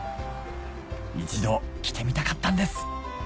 一度来てみたかったんです